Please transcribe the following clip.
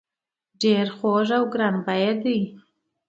ډیر خوږ او ګران بیه دي.